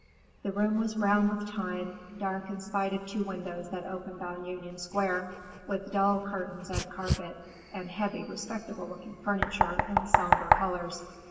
The room was brown with time, dark in spite of two windows that opened on Union Square, with dull curtains and carpet, and heavy, respectable looking furniture in somber colors.